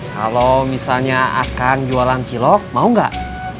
kalau misalnya akan jualan cilok mau nggak